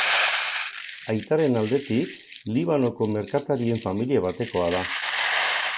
Aitaren aldetik, Libanoko merkatarien familia batekoa da.